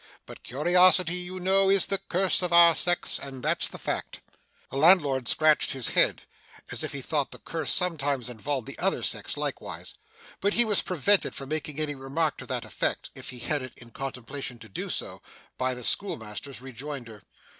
But curiosity you know is the curse of our sex, and that's the fact.' The landlord scratched his head, as if he thought the curse sometimes involved the other sex likewise; but he was prevented from making any remark to that effect, if he had it in contemplation to do so, by the schoolmaster's rejoinder.